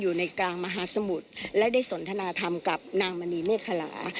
อยู่ในกลางมหาสมุทรและได้สนทนาธรรมกับนางมณีเมฆคลา